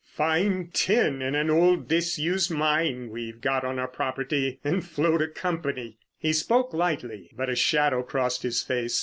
Find tin in an old disused mine we've got on our property, and float a company." He spoke lightly, but a shadow crossed his face.